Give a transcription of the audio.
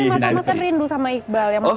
tapi mas ahmad kan rindu sama iqbal ya